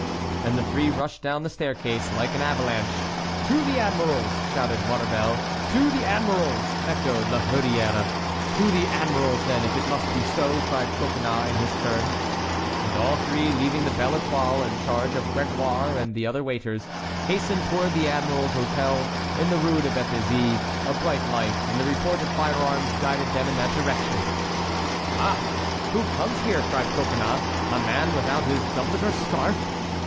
And the three rushed down the staircase, like an avalanche. "To the admiral's!" shouted Maurevel. "To the admiral's!" echoed La Hurière. "To the admiral's, then, if it must be so!" cried Coconnas in his turn. And all three, leaving the Belle Étoile in charge of Grégoire and the other waiters, hastened toward the admiral's hôtel in the Rue de Béthizy; a bright light and the report of fire arms guided them in that direction. "Ah, who comes here?" cried Coconnas. "A man without his doublet or scarf!"